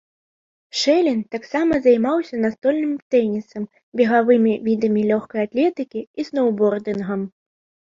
Шэлін таксама займаўся настольным тэннісам, бегавымі відамі лёгкай атлетыкі і сноўбордынгам.